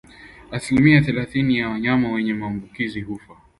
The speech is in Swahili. Asilimia thelathini ya wanyama wenye maambukizi hufa